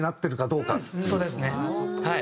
そうですねはい。